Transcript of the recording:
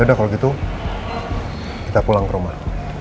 ada kalau gitu kita pulang ke rumah